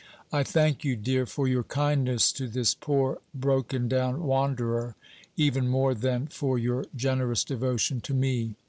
I thank you, dear, for your kindness to this poor broken down wanderer even more than for your generous devotion to me.